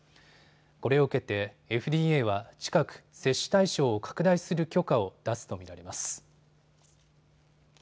これを受けてＦＤＡは近く、接種対象を拡大する許可を出すと見られます。